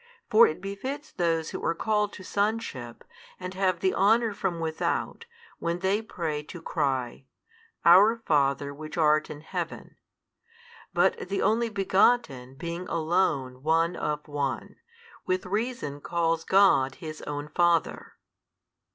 For it befits those who are called to sonship and have the honour from without, when they pray to cry, Our Father Which art in Heaven: but the Only Begotten being Alone One of One, with reason calls God His Own Father.